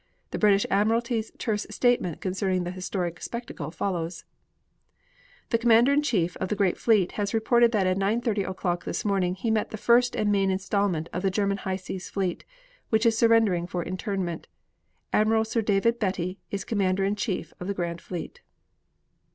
The British admiralty's terse statement concerning the historic spectacle follows: The commander in chief of the Grand Fleet has reported that at 9.30 o'clock this morning he met the first and main installment of the German high seas fleet, which is surrendering for internment. Admiral Sir David Beatty is Commander in chief of the Grand Fleet.